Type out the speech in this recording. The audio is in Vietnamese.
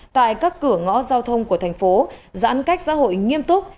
tại các cửa ngõ giao thông của thành phố giãn cách xã hội nghiêm túc